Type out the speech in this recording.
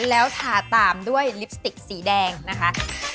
แล้วทาตามด้วยลิปสติกสีแดงนะคะ